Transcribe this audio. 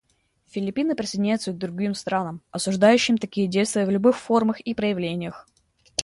Филиппины присоединяются к другим странам, осуждающим такие действия в любых формах и проявлениях.